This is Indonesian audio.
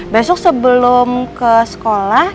besok sebelum ke sekolah